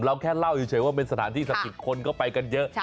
เราแค่เล่าอยู่เฉยว่าเป็นสถานที่๓๐คนก็ไปกันเยอะ